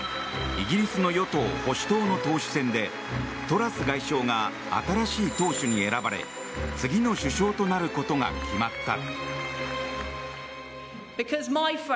イギリスの与党・保守党の党首選でトラス外相が新しい党首に選ばれ次の首相となることが決まった。